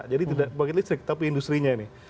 jadi tidak pembangkit listrik tapi industri nya ini